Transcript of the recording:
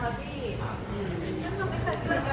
ว่ายังเนี่ย